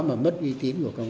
mà mất uy tín của công an